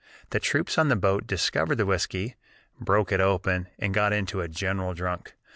The troops on the boat discovered the whiskey, broke it open, and got into a general drunk.